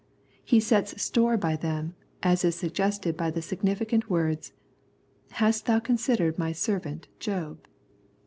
He sets store by them, as is suggested by the significant words, " Hast thou considered My servant Job